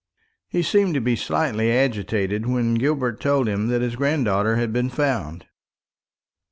He seemed to be slightly agitated when Gilbert told him that his granddaughter had been found.